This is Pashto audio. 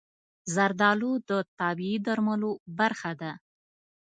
زردالو د طبیعي درملو برخه ده.